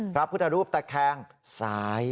พระพุทธรูปตะแคงซ้าย